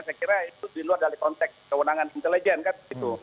saya kira itu di luar dari konteks kewenangan intelijen kan gitu